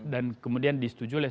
dan kemudian disetujulah